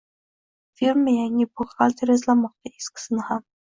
Firma yangi buxgalter izlamoqda! Eskisini ham!